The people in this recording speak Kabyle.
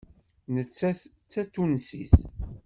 Nettat d Tatunsit.